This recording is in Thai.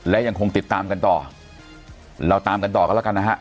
และยังคงติดตามกันต่อเราตามกันต่อกันแล้วกันนะฮะ